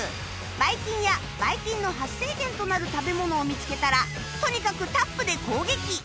バイキンやバイキンの発生源となる食べ物を見つけたらとにかくタップで攻撃！